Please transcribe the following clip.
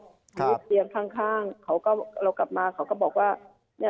ที่เตียงข้างเขาก็เรากลับมาเขาก็บอกว่า